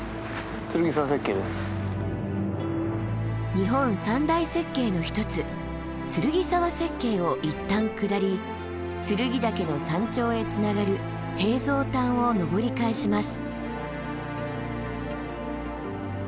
日本三大雪渓の一つ劔沢雪渓を一旦下り剱岳の山頂へつながる平蔵谷を登り返します。